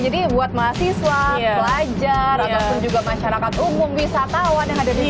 jadi buat mahasiswa pelajar ataupun juga masyarakat umum wisatawan yang ada di sini